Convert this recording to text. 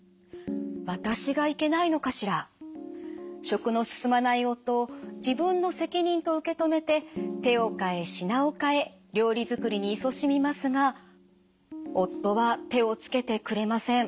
食の進まない夫を自分の責任と受け止めて手を替え品を替え料理作りにいそしみますが夫は手をつけてくれません。